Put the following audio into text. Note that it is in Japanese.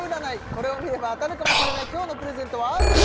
これを見れば当たるかもしれない今日のプレゼントは？